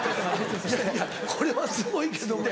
いやいやこれはすごいけどもやな。